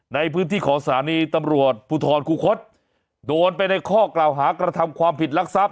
ในพื้นที่ของสถานีตำรวจภูทรคูคศโดนไปในข้อกล่าวหากระทำความผิดรักทรัพย